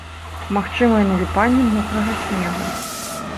Магчымае наліпанне мокрага снегу.